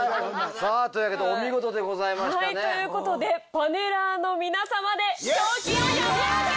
さあというわけでお見事でございましたね。ということでパネラーの皆さまで賞金は山分けです！